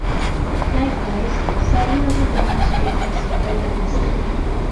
Likewise, several other demonstrators were arrested.